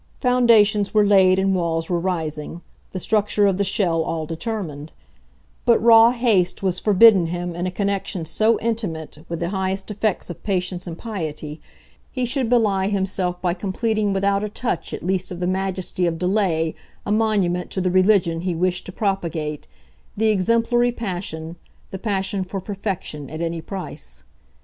Foundations were laid and walls were rising, the structure of the shell all determined; but raw haste was forbidden him in a connection so intimate with the highest effects of patience and piety; he should belie himself by completing without a touch at least of the majesty of delay a monument to the religion he wished to propagate, the exemplary passion, the passion for perfection at any price.